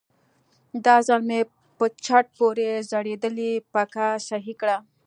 دا ځل مې په چت پورې ځړېدلې پکه سهي کړه.